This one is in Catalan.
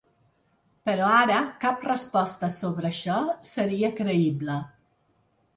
Però ara cap resposta sobre això seria creïble.